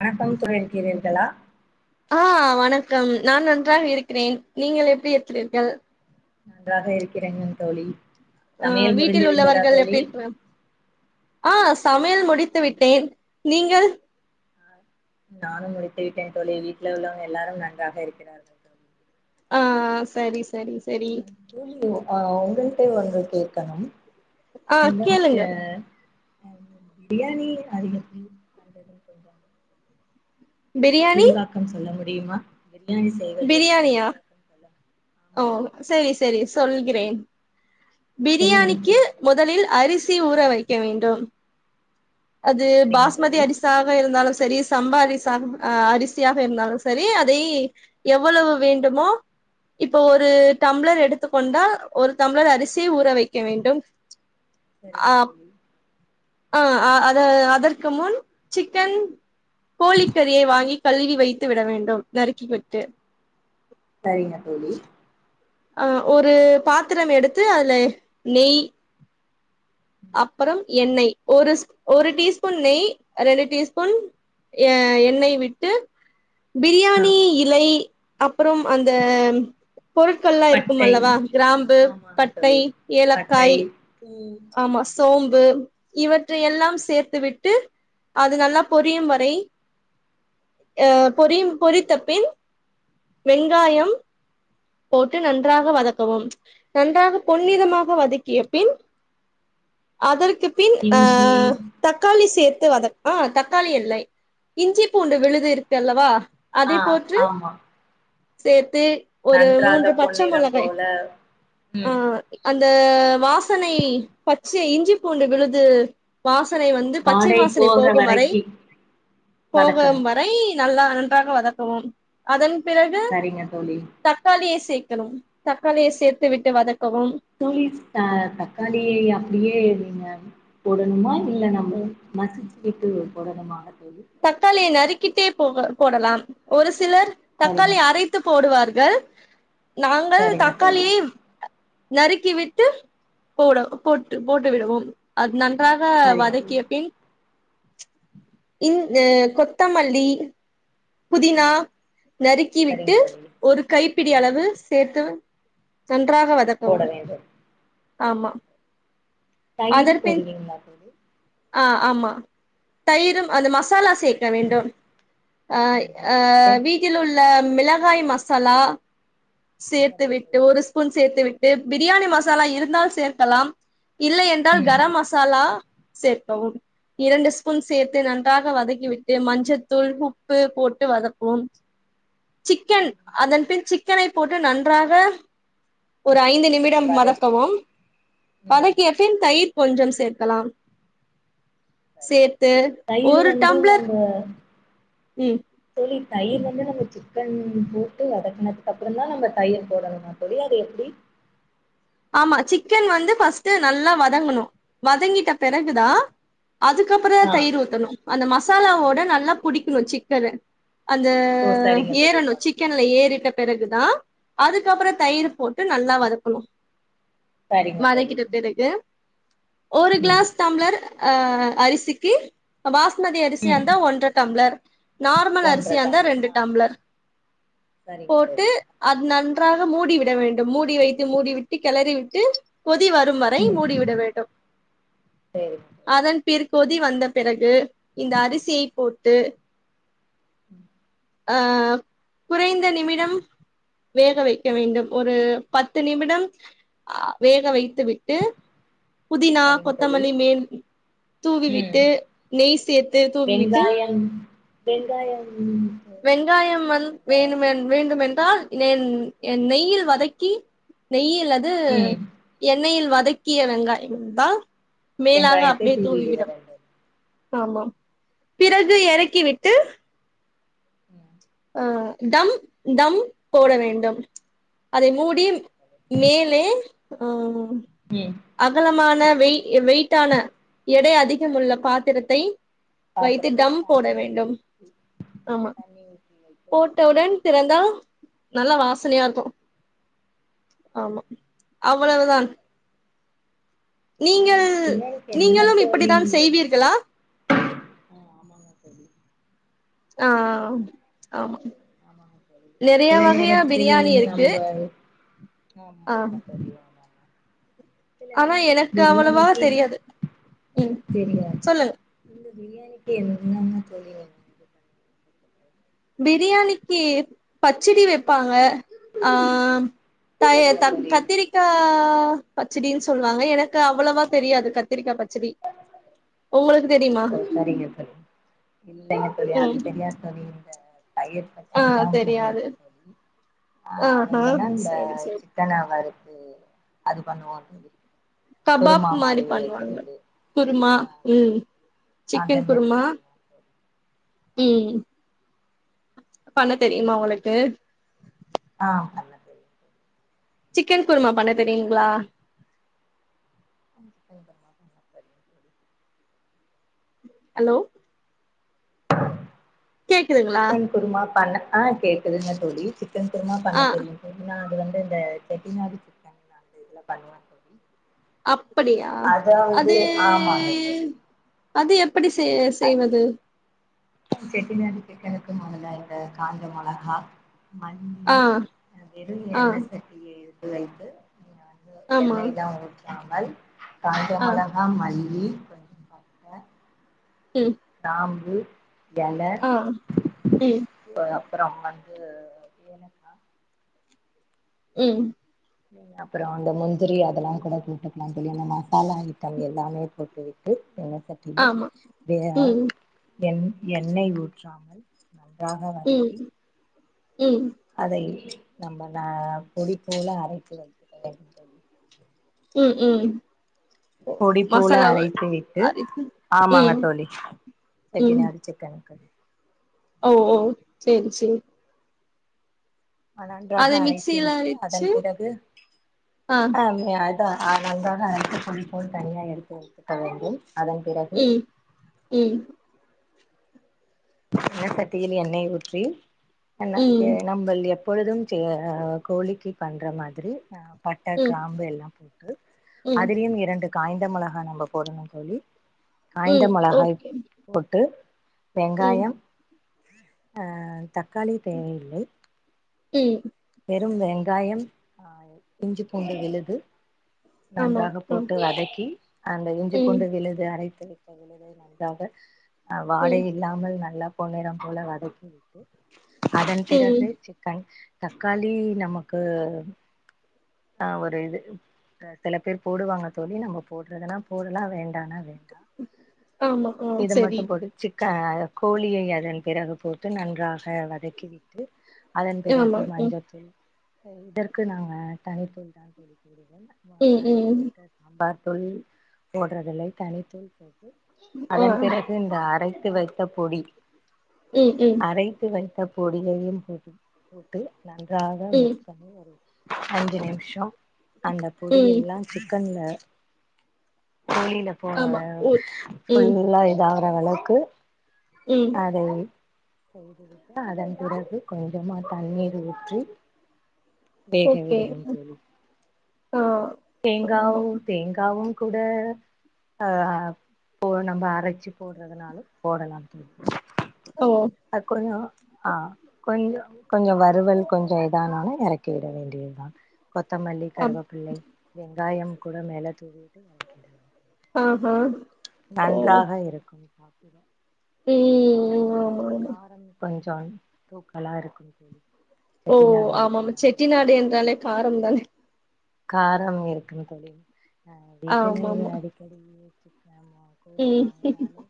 வணக்கம் தோழ்ரே இருக்கீரீர்களா ஆஹ் வணக்கம் நான் நன்றாக இருக்கிறேன் நீங்கள் எப்படி இருக்கிறீர்கள் நன்றாக இருக்கிறேங்க தோழி ஆஹ் சமையல் முடிந்து வீட்டில் விட்டதா உள்ளவர்கள் தோழி எப்படி இருக்றாங் ஆஹ் சமையல் முடித்து நன்- விட்டேன் நீங்கள் நானும் முடித்து விட்டேன் தோழி வீட்டுல உள்ளவங்க எல்லாரும் நன்றாக இருக்கிறார்கள் தோழி ஆஹ்ஹ சரி சரி சரி அ தோழியொ ஆஹ் உங்கள்ட ஒன்று கேட்கணும் ஆ எந்த அ கேளுங்கள் ஹ் பிரியாணி அதிகத்தில் பண்றதுன்ன கொஞ்ச பிரியாணி விரிவாக்கம் சொல்ல முட் டியுமா பிரியாணி செய்வது எப்டினு பிரியாணியா விரிவாக்கம் சொல்ல ஓ ஆமாங்க தோழி சேரி செரி சொல்கிறேன் சொல்லுங்க தோழி பிரியாணிக்கு முதலில் அரிசி ஊற வைக்க வேண்டும் அது சரிங்க பாஸ்மதி தோழி அரிசாக இருந்தாலுஸ் சரி சம்பாரிசா அ அரிசியாக இருந்தாலு சரி அதை எவ்வளவு வேண்டுமோ இப்ப ஒரு டம்ளர் எடுத்துக்கொண்டா ஒரு டம்ளர் அரிசி ஊற வைக்க வேண்டும் சரிங்க தோழி ஆஹ் அ அத அதற்கு முன் சிக்கன் கோழிக்கறியை வாங்கி கழுவி வைத்து விட வேண்டும் நறுக்கிவிட்டு செரிங்க தோழி அஹ் ஒரு பாத்திரம் எடுத்து அதுல நெய் அப்பறம் எண்ணெய் ஒரு ஒரு டீஸ்பூன் நெய் ரெண்டு டீஸ்பூன் அ் எண்ணெய் விட்டு ஆ பிரியாணி இலை அப்பறம் அந்த பொருட்கள்லா பட்டை இருக்குமல்லவா கிராம்பு ஆமாங்க பட்டை தோழி பட்டை ஏலக்காய் பூ ஆமா ஆமாங்க தோழி சோம்பு இவற்றை எல்லாம் ஆமா. சேர்த்து விட்டு அது நல்லா பொரியும் வரை அஹ் பொரியும் பொறித்த ம் பின் வெங்காயம் போட்டு நன்றாக வதக்கவும் நன்றாக ம். பொன்னிறமாக வதக் கியப்பின் அதர் பின் இஞ்சி தக்காளி சேர்த் வத ஆ தக்காளி இல்லை இஞ்சி பூண்டு விழுது இருக் அல்லவா ஆஹ் ஆமா செர் ஒரு மூன்று நன்றாக பச்ச பொன்னிறம் மொளகாய் போல ம் ஆஹ் இந்த வாசனை பச்சை இஞ்சி பூண்டு விழுது வாச வந்து பச்சை வாடை வாசனை போகிற போகும் வரை வரைக்கி போகம் வதக்கணு வரை நல்லா நன்றாக வதக்கவும் அதன் பிறகு சரிங்க தோழி தக்காளியை சே வும் தக்காளியை சேர்த்து விட்டு வதக்கவும் தோழி தக்காளியை அப்படியே நீங்க போடணுமா இல்ல நம்ம மசிச்சுக்கிட்டு போடணுமா தக்காளிய நறுக்கிட்டே போக போடலாம் ஒரு சிலர் சரிங்க தக்காளி அரைத்து போடுவார் கல் நாங்கள் சரிங்க தோழி தக்காளியை நறுக்கி விட்டு போட போட்டு போட்டு விடுவோம் அது ந நன்றாக சரிங்க தோழி வதக்கிய பின் இந் அ கொத்தமல்லி புதினா ம் நறுக்கி சரிங்க விட்டு தோழி ஒரு கைப்பிடி அளவு சேர் [unintelligible] டன் போடவேண்டு ஆமா செரிங்க [inaudible] தயிர் அதற்பின் போடுவீங்ளா தோழி ஆ ஆமா தயிர் அந்த சரிங்க மசாலா தோழி சேர்க்க வேண்டும் அ ம் அ வீட்டில் உள்ள மிளகாய் மசாலா சேர்த்து சரிங்க விட்டு தோழி ஒரு ஸ்பூன் சேர்த்து விட் இங்கு பிரியாணி மசாலா இருந்தால் சேர்க்கலாம் இல்லை என்றால் ம் கரம் மசாலா சேர்க்கவும் சரி இரண்டு ஸ்பூன் சேர்த்து சரிங்க நன் தோழி வதக்கி விட்டு மஞ்சத்தூள் உப்பு போட்டு வதக்குவோம் சிக்கன் ம் அதன் தோழி பின் சிக்கனை போட்டு நன் ன்றாக ஒரு ஐந்து நிமிட் டம் வதக்கி வதக்கவும் ம் வதக்கியப்பின் தயிர் கொஞ்சம் சேர்க்கலாம் சரிங்க தோழி. சேர்த்து தயிர் ஒரு வந்து டம்ளர் நம்ம உம் வ்வ தயிர் வந்து நம்ம சிக்கன் போட்டு வதக்குனதுக்கு அப்புறம் தா நம்ம தயிர் போடணும்மா தோழி அது எப்டி ஆமா சிக்கன் வந்து ஃபர்ஸ்ட் நல்லா வதங்கணும் வதங்கிட்ட பிறகுதா அதுக்கப்புறோ ஆ தான் தயிர் ஊத்தணு அந்த மசாலாவோட நல்லா புடிக்கணு சிக்கனு அந்த ஓ சரிங்க தோழி ஏறணு சரிங்க சிக்கன்ல ஏறிட்ட பிறகுதா அதுக்கப்பறோ ஆ தயிர் போட்டு நல்லா வதக் [unintelligible] சரிங்க தோழி வதக்கிட்ட பேருகு ஒரு ம் கிளாஸ் தம்ளர் ஆஹ் அரிசிக்கி பாஸ் மதி அரிசியா ம் இருந்த ஒன்ற டம்ளர் நார்மல் ஒன்ற அரிசியா இருந்தா டம்ளர் ரெண்டு ஆ டம்ளர் சரிங்க போட்டு தோழி அது நங் நன்றாக மூடிவிட வேண்டும் மூடி வைத்து மூடிவிட் ட்டு கிளறி விட்டு கொதி வரும் வரை ம் மூடிவிட வேண்டும் சரிங்க தோழி அதன் பிற கொதி வந்த பிறகு இந்த அரிசியை போட்டு உம் அஹ் குறைந்த நிமிடம் வேக வைக்க வேண்டும் ஒரு பத்து நிமிடம் அ வேக வைத்து விட்டு புதினா சரிங்க தோழி கொத்தமல்லி மேல் ம் தூவிவிட்டு நெய் சேர்த்து தூவ்விட்டு வெங்காயம் வெங்காயம் போடுவீங்களா வெங்காயம் தோழி வந்து வேணு வெங்காயம் வேண்டுமென் தான் என் நெய்யில் வதக்கி நெய்யின் அல்லது ம் எண்ணெயில் வ வதக்கியா வெங்காயம் தான் மேலாக வெங்காயத்தை அப்டியே தூவி விட தூவிவிடம் வேண்டும் ஆமாம் பிறகு எறக்கி விட்டு உம் அஹ் தம் தம் போட வேண்டும் அதை மூடி சரிங்க தோழி சரிங்க மேலே தோழி ஆஹ் ம் அகலமான வெய் வெயிட்டான எடை அதிகமுள்ளப் பாத்திரத்தை வைத்து பாத்திரத்தில் டம் போட தண்ணி வேண்டும் ஊற்றி ஆமா தண்ணி ஊற்றி வைத்து தம் போட போட்டவுடன் வேண்டும் திறந்தா நல்ல வாசனையாருக்கு ஆமா சரிங்க தோழி அவ்வளவுதான் சரிங்க வேறு நீங்கள் பிள்ளைகளுக்கு நீங்களும் இப்படிதான் செய்வீர்களா ஆஹ் ஆமாங்க தோழி ஆஹ் ஆமா ஆமாங்க தோழி நிறையா சில வகையா நேரத்தில் பிரியாணி இருக்கு நம்ப ஆமாங்க ஆஹ் தோழி ஆமாங்க சில ஆனா இந்த எனக்கு அவ்வளவா பிரியாணிக்கு தெரியாது உம் சொல்லுங் பிரியாணிக்கி என்னென்ன தேவை பிரியாணிக்கிப் பச்சடி வப் ப்பாங்க ஆஹ் பண்ணுவீங்க? தய சரிங்க தக் தோழி கத்திரிக்கா பச்சடின்னு சொல்வாங்க எனக் க்கு அவ்வளவா தெரியாது கத்திரிக்காப் பச்சடி உங்களுக்குத் தெரியுமா ஓ சரிங்க தோழி இல்லைங்க தோழி அது உம் தெரியாது தோழி இந்த தயிர் பச்சடிதான் பண்ணிருக்கோ தோழி ஆஹ் அது ஆஹா இல்லன்னா சேரி இந்தச் சேரி சிக்கன வருத் அ அது பண்ணுவோ கப்பாப் குருமா மாரி மாரிப் பண்ணுவாங்க வைக்கிறது குருமா ஆ உம் அந்த சிக்கன் மாரி குருமா பண்ணுவோ தோழி ஆமா ம் பண்ணத் தெரியுமா முட்ட உங்களுக்கு ஆ பண்ண தெரியும் தோழி சிக்கன் குருமாப் பண்ணத் தெரியுங்ளா [unintelligible] அலோ கேக்குதுங்களா சிக்கன் குருமாப் பண்ணத் ஆ கேக்குதுங்க தோழி சிக்கன் குருமாப் பண்ணத் ஆ தெரியு தோழி நா இது வந்து இந்த செட்டிநாட்டு சிக்கன் வந்து இதெல்லா பண்ணுவே தோழி அப்படியா அதாவது அது ஆமாங்க தோழி அது எப்படி செய் செய்வது செட்டிநாட்டு சிக்கனுக்கு மொதல்ல அந்த காஞ்ச மொளகா மண்ணி ஆ அ வெறு ஆ எண்ணெ சட்டியே லைட்டு ஆமா எண்ணெய் லா ஊ காமல் காஞ்ச ஆ மொளகா மல்லி [unintelligible] கொஞ்ச பாத்த ம் தாம்பு எல ஆ ம் [unintelligible] அப்புறம் வந்து ஏலக்கா ம் அப்புறோ அந்த முந்திரி அதெல்லா கூட போட்டுக்கலா தோழி அந்த மசாலா ஐட்ட எல்லாமே போட்டுவிட்டு எண்ணெ சட்டில ஆமா ம் [unintelligible] எண் எண்ணெய் ஊற்றாமல் நன்றாக ம் வதக்கி ம் அதை நம்ம நா பொடி போல அரைத்து வைத்து [unintelligible] தோழி ம் ம் பொடிப்போல மசாலாவ அரைத்து விட்டு அரைத்து ஆமாங்க ம் தோழி ம் செட்டிநாடு சிக்கனுக்கு ஓ ஓ சேரி சேரி நன்றாக அது அரைத்து மிக்சில விட்டு அதன் அரைச்சு பிறகு ஆ அங்க ஆ நன்றாக அறைத்து புளி போல் தனியா எடுத்து வைத்த பிறகு அதன் பிறகு ம் ம் எண்ணெ சட்டியில் எண்ணெய் ஊற்றி என்ன எ ம் நம்பல் எப் எப்பொழுதும் கோழிக்கு பண்ற மாதிரி பட்ட ம் கிராம்பு எல்லா போட்டு ம் அதிலியு இரண்டு காய்ந்த மிளகா நம்ம போடணு தோழி காய்ந்த ம் மிளகாய் ஓகே போட்டு ம் காயம் அ தக்காளி தேவையில்லை ம் வெறும் வெங்காயம் ஆ இஞ்சி பூண்டு விழுது ஆமா நன்றாக ஆ போட்டு வதக்கி அந்த இஞ்சி ம் பூண்டு விழுது அரை த்த விழுதை நன்றாக ஆ ம் வாடை இல்லாமல் நல்லா பொண்ணேரம் போல வதக்கி விட்டு அதன் ம் பிறகு சிக்கன் தக்காளி நமக்கு ஆ ஒரு இது சில பேர் போடுவாங்க தோழி நம்ம போடுறதுன்னா போடலா வேண்டானா வேண்டா ஆமா ஆ இது சரி மட்டும் போட்டு சிக்கன் கோழியை அதன் பிறகு போட்டு நன்றாக வதக்கிவிட்டு அதன் பிறகு ஆமா ம் மஞ்சத்தூள் இதற்கு நாங்க [unintelligible] [unintelligible] ம் அரைத்து ம் வைத்த சாம்பார் தூள் போடுறதலை தனித்தூள் போட்டு ஆ அதன் ம் பிறகு இந்த அரை த்து வைத்த பொடி ம் ம் அரைத்து வைத்த பொடியயும் போட்டு போட்டு நன்றாக மிக்ஸ் பண்ணி வரு அஞ்சு நிமிஷம் அந்த பொடி ம் எல்லா சிக்கன்ல ஆமா ஓ ம் [unintelligible] வ வழக்கு ம் அதை செய்துவிட்டு அதன் பிறகு கொஞ்சமா தண்ணீர் ஊற்றி வேக ஓகே விடுங்கள் தோழி ஆ தேங்காவ் ஆமா தேங்காவும் கூட அ ஆஹ் இப்போ நம்ம அரைச்சு போடுறதுனாலு போடலா தோழி ஓ அ கொஞ்சோ ஆஹ் கொஞ்சோ கொஞ்சோ வறுவல் கொஞ்சோ இதானாலோ இறக்கி விட வேண்டியதுதா கொத்தமல்லி அப் கருவேப்பிள்ளை வெங்காயம் கூட மேலே தூவிவுட்டு அ ஹா நன்றாக இருக்குங் சில ம் காரம் ஆமா ஆமா காரம் இப்ப ஏற்ச் [unintelligible] தூக்கோ லாருக்கும் போது ஓ ஆமாமா செட்டிநாடு என்றாலே காரம் தானே காரம் இருக்குந் தோழி அ வீட்டுல ஆமாமா அடிக்கடி செர் நம்ம கோலி ம் வாங்குனாலே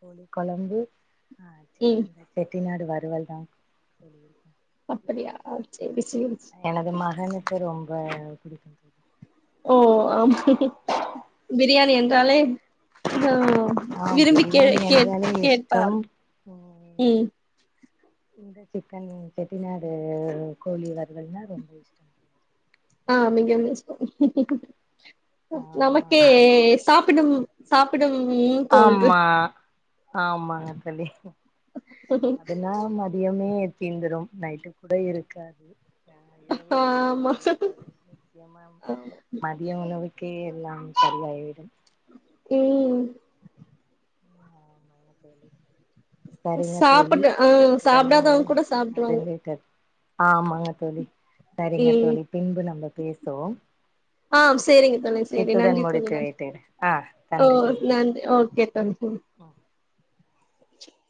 கோலி கொலம்பு அ ம் சிக்கன்ல செட்டிநாட் டு வறுவல் தா [inaudible] அப்படியா செரி எனதுமா எனக்கு ரொம்ப பிடிக்கும் தோலி ஓ ஆமா பிரியாணி ஆ என்றாலே அ ஆ விரும்பி கே பிரியாணி கே என்றாலே இஷ்டம் கேட்பார் ம் இந்த சிக்கன் செட்டிநாடு கோலி வருவல்னா ரொம்ப இஷ்டோ ஆம் மிக இஷ்டோ ஆ நமக்கே சாப்பிட்னும் சாப்பிடனும் ம் தோன்து ஆமா ஆமாங்க தோலி அப்டீலா நா மதியமே தீந்துரோ நைட்டு கூட இருக்காது அ இரவுலா ஆமா இருக்காது நிச்சயமா ஆமா மதிய உணவு கேர்லா சரியாய்டும் ம் ஆமாங்க தோலி சாப்பட்ற அ இத்துடன் முடி சாப்பிடாதவங் கூட சாப்டுவாங்க முடிந்துவிட்டது ஆமாங்க தோலி சரிங்க தோலி பின்பு நம்ம பேசுவோம் ஆ சேரிங்க தோழி சேரி இத்துடன் நன்றி தோழி முடித்து நன்றி விட்டுற்ற அ ஓ நன்றி நன்றி ஓகே தோழி ம் [inaudible]